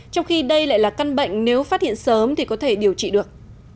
trong khi đây lại là căn bệnh nếu phát hiện sớm thì có thể điều trị được